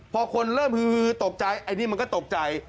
พอคนเริ่มฮือตกใจไอ้นี่มันก็ตกใจ